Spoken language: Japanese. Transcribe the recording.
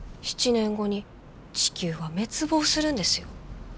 ７年後に地球は滅亡するんですよ？